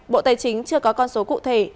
bộ tài chính chưa có con số cụ thể